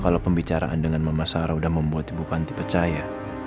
kalau pembicaraan dengan mama sarah sudah membuat ibu panti percaya